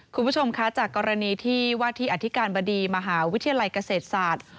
คุณผู้ชมคะจากกรณีที่ว่าที่อธิการบดีมหาวิทยาลัยเกษตรศาสตร์